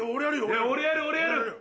いや俺やる俺やる。